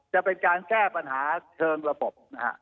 จะเป็นการแก้ปัญหาเชิงระบบนะฮะ